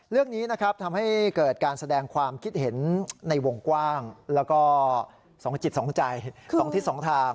เรื่องนี้นะครับทำให้เกิดการแสดงความคิดเห็นในวงกว้างแล้วก็๒จิตสองใจ๒ทิศ๒ทาง